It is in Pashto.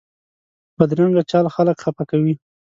بدرنګه چال خلک خفه کوي